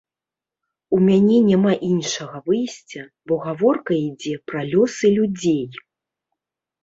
У мяне няма іншага выйсця, бо гаворка ідзе пра лёсы людзей.